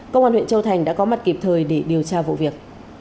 công an huyện châu thành đã có mặt kịp thời để điều tra vụ việc